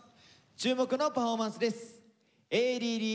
注目のパフォーマンスです。